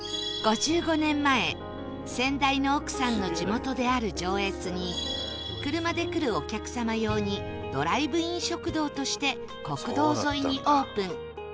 ５５年前先代の奥さんの地元である上越に車で来るお客様用にドライブイン食堂として国道沿いにオープン